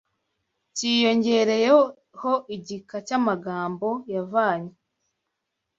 cyiyongereyeho igika cy’amagambo yavanywe